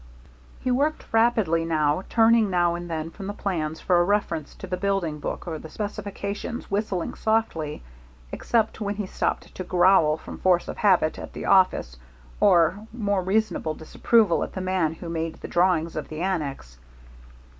He worked rapidly, turning now and then from the plans for a reference to the building book or the specifications, whistling softly, except when he stopped to growl, from force of habit, at the office, or, with more reasonable disapproval, at the man who made the drawings for the annex.